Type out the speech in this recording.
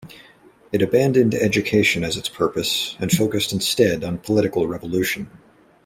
It abandoned education as its purpose and focused instead on political revolution.